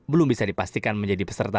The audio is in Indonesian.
belum bisa dipastikan menjadi peserta